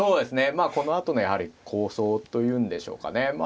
まあこのあとの構想と言うんでしょうかね